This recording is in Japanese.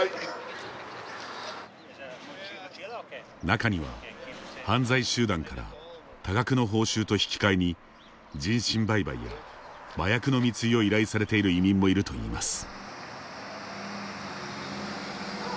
中には、犯罪集団から多額の報酬と引き換えに人身売買や麻薬の密輸を依頼されている移民もいるといいます。